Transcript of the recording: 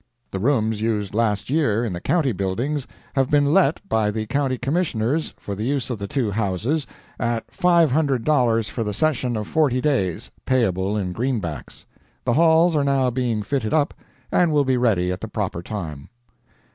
The rooms used last year in the county buildings, have been let by the County Commissioners for the use of the two Houses, at $500 for the session of forty days, payable in greenbacks. The halls are now being fitted up, and will be ready at the proper time.